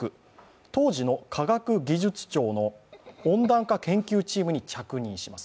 当時の科学技術庁の温暖化研究チームに着任します。